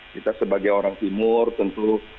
kita sebagai orang timur tentu